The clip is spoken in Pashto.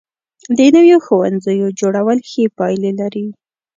د نویو ښوونځیو جوړول ښې پایلې لري.